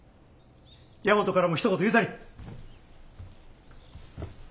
大和からもひと言言うたり。